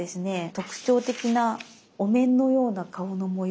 特徴的なお面のような顔の模様。